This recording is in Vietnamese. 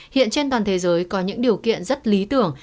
hiện trên toàn thế giới có những điều kiện rất lý tưởng